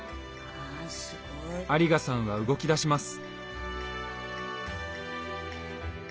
有賀さんは動きだします。